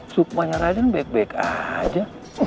supaya raden baik baik aja